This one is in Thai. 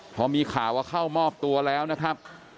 พอมีข่าวว่าเข้ามอบตัวแล้วนะครับ